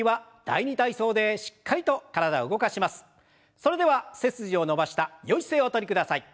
それでは背筋を伸ばしたよい姿勢をおとりください。